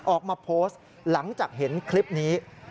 ออกมาโพสต์หลังจากเห็นคลิปนี้